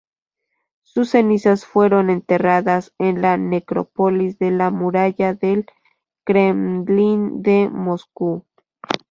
Sus cenizas fueron enterradas en la Necrópolis de la Muralla del Kremlin de Moscú.